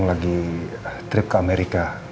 lagi trip ke amerika